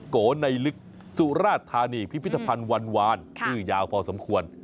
โกในลึกสุราธานีพิพิธภัณฑ์วันวานชื่อยาวพอสมควร